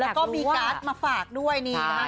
แล้วก็มีการ์ดมาฝากด้วยนี่นะคะ